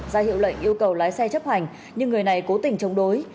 ra hiệu lệnh yêu cầu lái xe chấp hành nhưng người này cố tình chống đối